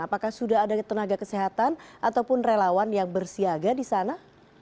apakah sudah ada tenaga kesehatan ataupun relawan yang bersiaga di sana